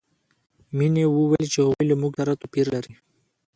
مینې وویل چې هغوی له موږ سره توپیر لري